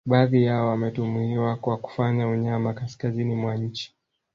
Baadhi yao wametuhumiwa kwa kufanya unyama kaskazini mwa nchi